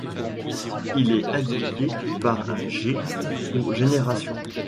Elle est indiquée par un G pour génération.